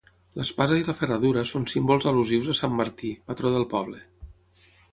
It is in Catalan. L'espasa i la ferradura són símbols al·lusius a sant Martí, patró del poble.